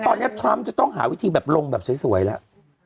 ตอนนี้ทรัมป์จะต้องหาวิธีแบบลงแบบสวยแล้ว